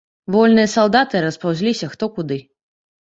Вольныя салдаты распаўзліся хто куды.